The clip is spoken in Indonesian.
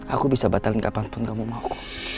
aku bisa batalin kapanpun kamu mau aku